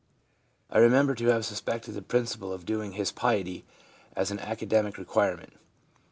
I remember to have suspected the principal of " doing " his piety as an academic re quirement.